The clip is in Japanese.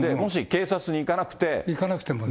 行かなくてもね。